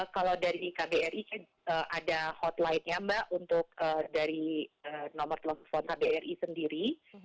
kalau dari kbri ada hotline nya mbak untuk dari nomor telepon kbri sendiri